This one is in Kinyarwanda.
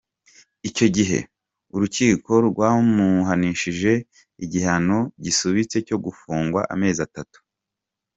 Icyo gihe urukiko rwamuhanishije igihano gisubitse cyo gufungwa amezi atatu.